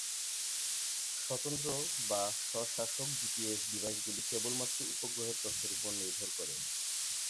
স্বতন্ত্র/স্ব-শাসক GPS ডিভাইসগুলি কেবলমাত্র উপগ্রহের তথ্যের উপর নির্ভর করে।